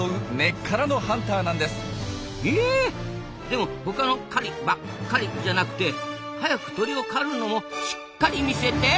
でも他の「狩り」ばっ「かり」じゃなくて早く鳥を狩るのもしっ「かり」見せて！